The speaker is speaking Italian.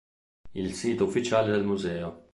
Il sito ufficiale del museo